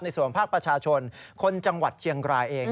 ส่วนภาคประชาชนคนจังหวัดเชียงรายเอง